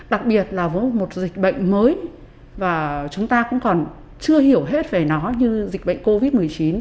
đặc biệt là với một dịch bệnh mới và chúng ta cũng còn chưa hiểu hết về nó như dịch bệnh covid một mươi chín